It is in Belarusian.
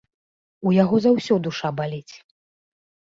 У яго за ўсё душа баліць.